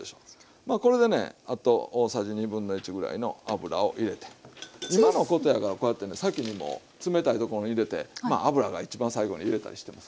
まあこれでねあと大さじ1/2ぐらいの油を入れて手間のことやからこうやってね先にもう冷たいところに入れてまあ油が一番最後に入れたりしてます。